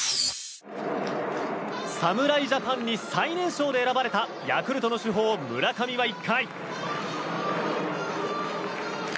侍ジャパンに最年少で選ばれたヤクルトの主砲、村上は１回。